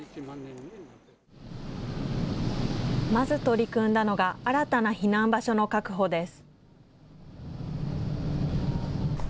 まず取り組んだのが、新たな避難場所の確保です。